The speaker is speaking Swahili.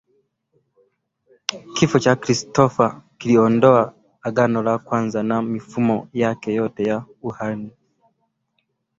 Kifo cha Kristo kiliondoa agano la Kwanza na mifumo yake yote ya ukuhani